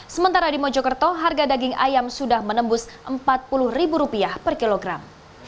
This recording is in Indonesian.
sementara di mojokerto harga daging ayam sudah menembus rp empat puluh per kilogram